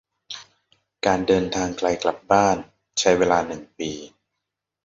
การเดินทางไกลกลับบ้านใช้เวลาหนึ่งปี